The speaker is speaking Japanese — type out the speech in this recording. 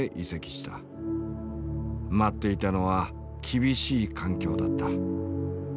待っていたのは厳しい環境だった。